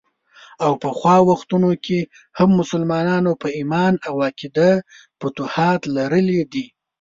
او پخوا وختونو کې هم مسلمانانو په ايمان او عقیده فتوحات لرلي دي.